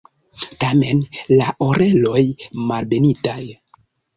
Tamen la oreloj malbenitaj.